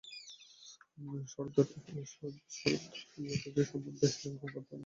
সর্দার অজিত সিং-এর সমন্ধে বাল গঙ্গাধর তিলক বলেছিলেন, স্বাধীন ভারতে অজিত সিং প্রথম রাষ্ট্রপতি হাওয়ার যোগ্য।